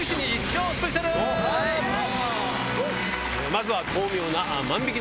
まずは。